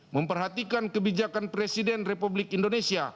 memperhatikan kebijakan presiden republik indonesia